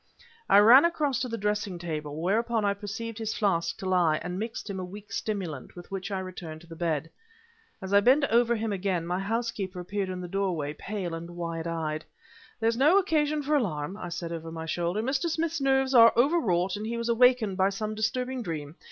I ran across to the dressing table, whereon I perceived his flask to lie, and mixed him a weak stimulant with which I returned to the bed. As I bent over him again, my housekeeper appeared in the doorway, pale and wide eyed. "There is no occasion for alarm," I said over my shoulder; "Mr. Smith's nerves are overwrought and he was awakened by some disturbing dream.